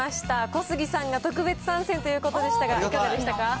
小杉さんが特別参戦ということでしたが、いかがでしたか。